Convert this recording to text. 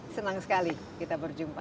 senang sekali kita berjumpa